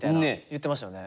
言ってましたよね。